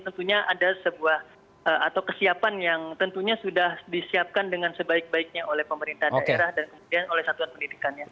tentunya ada sebuah atau kesiapan yang tentunya sudah disiapkan dengan sebaik baiknya oleh pemerintah daerah dan kemudian oleh satuan pendidikannya